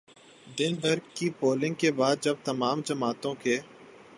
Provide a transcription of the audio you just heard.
دن بھر کی پولنگ کے بعد جب تمام جماعتوں کے